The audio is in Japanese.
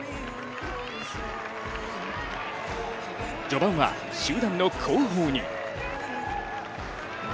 序盤は集団の後方に。